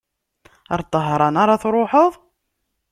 Ɣer Tahran ara truḥeḍ?